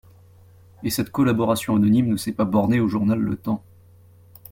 Et cette collaboration anonyme ne s'est pas bornée au journal Le Temps.